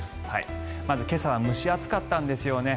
まず今朝は蒸し暑かったんですよね。